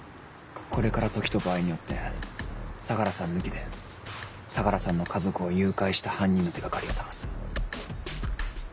これから時と場合によって相良さん抜きで相良さんの家族を誘拐した犯人の手掛かりを探す。